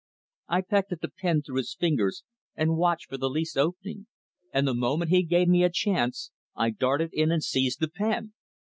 I pecked at the pen through his fingers, and watched for the least opening, and the moment he gave me a chance, I darted in and seized the pen.